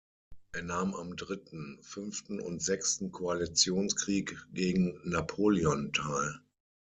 Er nahm am Dritten, Fünften und Sechsten Koalitionskrieg gegen Napoleon teil.